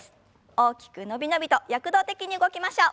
大きく伸び伸びと躍動的に動きましょう。